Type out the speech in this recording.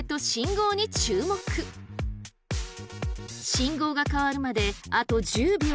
信号が変わるまであと１０秒。